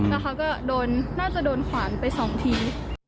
แล้วเขาก็โดนน่าจะโดนขวานไปสองที